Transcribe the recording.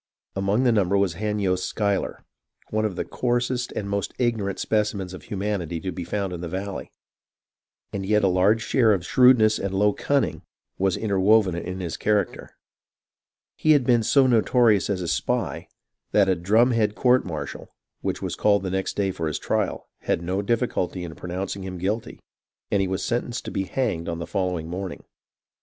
Among the num ber was Hanyost Schuyler, one of the coarsest and most ignorant specimens of humanity to be found in the valley ; and yet a large share of shrewdness and low cunning [was] interwoven in his character. He had been so notorious as a spy, that a drumhead court martial, which was called the next day for his trial, had no difficulty in pronouncing him guilty, and he was sentenced to be hanged on the follow ing morning.